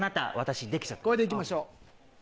これで行きましょう。